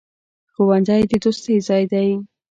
ښوونځی د دوستۍ ځای دی.